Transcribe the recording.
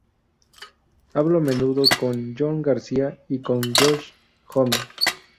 Hablo a menudo con John García y con Josh Homme.